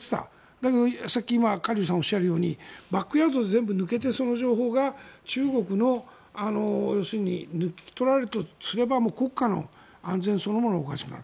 だけどさっきカ・リュウさんがおっしゃるようにバックヤードで全部抜けてその情報が中国の要するに抜き取られたとすれば国家の安全そのものがおかしくなる。